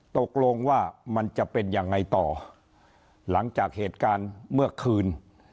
ตกลงว่ามันจะเป็นยังไงต่อหลังจากเหตุการณ์เมื่อคืน